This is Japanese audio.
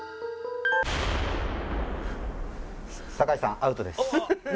酒井さんアウトです。